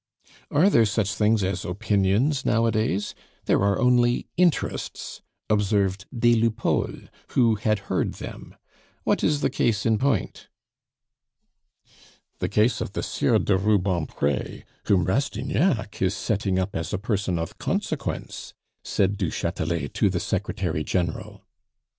"Are there such things as opinions nowadays? There are only interests," observed des Lupeaulx, who had heard them. "What is the case in point?" "The case of the Sieur de Rubempre, whom Rastignac is setting up as a person of consequence," said du Chatelet to the Secretary General.